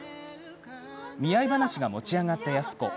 見合い話が持ち上がった安子。